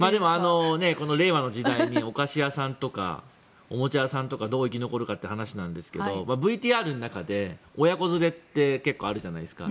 この令和の時代にお菓子屋さんとかおもちゃさんとかがどう生き残るかという話ですがＶＴＲの中で親子連れって結構あるじゃないですか。